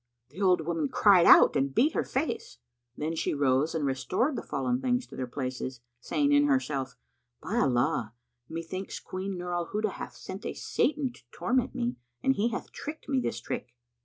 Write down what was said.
The old woman cried out and beat her face; then she rose and restored the fallen things to their places,[FN#165] saying in herself, "By Allah, methinks Queen Nur al Huda hath sent a Satan to torment me, and he hath tricked me this trick!